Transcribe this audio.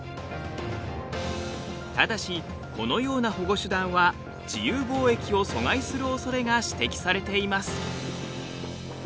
ただしこのような保護手段は自由貿易を阻害するおそれが指摘されています。